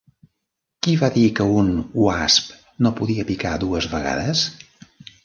Qui va dir que un WASP no podia picar dues vegades?